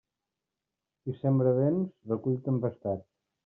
Qui sembra vents recull tempestats.